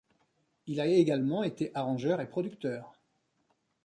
Il a également été arrangeur et producteur.